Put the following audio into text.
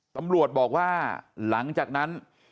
ตำรวจบอกว่าหลังจากนั้น